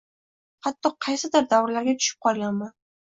Hatto qaysidir davrlarga tushib qolganman.